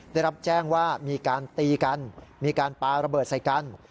ได้รับแจ้งว่ามีการตีกันมีการปาระเบิดใส่กัน